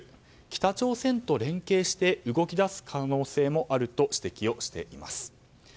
北朝鮮と連携して動き出す可能性もあると指摘をしています。